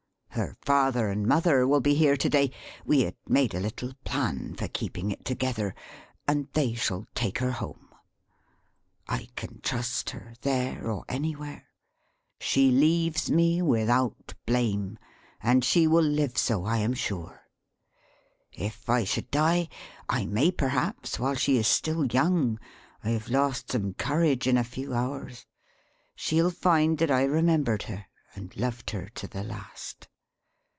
Her father and mother will be here to day we had made a little plan for keeping it together and they shall take her home. I can trust her, there, or anywhere. She leaves me without blame, and she will live so I am sure. If I should die I may perhaps while she is still young; I have lost some courage in a few hours she'll find that I remembered her, and loved her to the last!